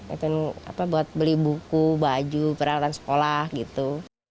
itu buat beli buku baju peralatan sekolah gitu